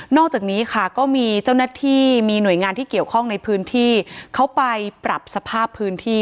อกจากนี้ค่ะก็มีเจ้าหน้าที่มีหน่วยงานที่เกี่ยวข้องในพื้นที่เขาไปปรับสภาพพื้นที่